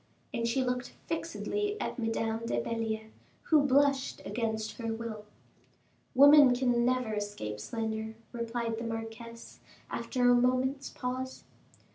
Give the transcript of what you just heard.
And she looked fixedly at Madame de Belliere, who blushed against her will. "Women can never escape slander," replied the marquise, after a moment's pause.